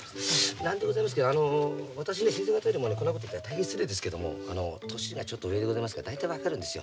何でございますけどあの私ね先生方よりもねこんなこと言ったら大変失礼ですけどもあの年がちょっと上でございますから大体分かるんですよ。